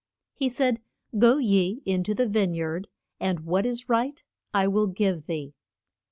He said, Go ye in to the vine yard, and what is right I will give thee.